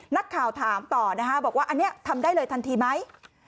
นักข่าวถามต่อนะคะบอกว่าอันนี้ทำได้เลยทันทีไหม